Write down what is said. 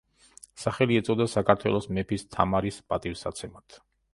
სახელი ეწოდა საქართველოს მეფის თამარის პატივისაცემად.